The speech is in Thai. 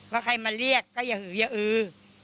ว่าใครมาเรียกก็อย่าหืออย่าอือ